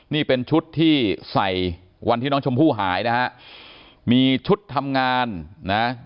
นี่เป็นชุดที่ใส่วันที่น้องชมพู่หายนะฮะมีชุดทำงานนะ